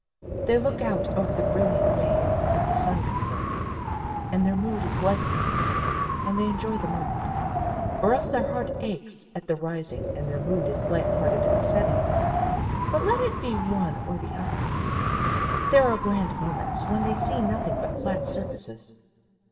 They look out over the brilliant waves as the sun comes up, and their mood is light hearted and they enjoy the moment. Or else their heart aches at the rising and their mood is light hearted at the setting. But let it be one or the other, there are bland moments when they see nothing but flat surfaces.